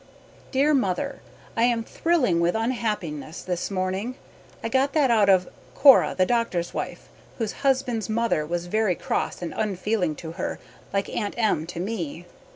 Dear Mother, I am thrilling with unhappyness this morning. I got that out of Cora The Doctor's Wife whose husband's mother was very cross and unfealing to her like Aunt M. to me.